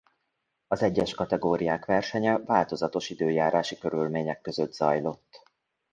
Az egyes kategóriák versenye változatos időjárási körülmények között zajlott.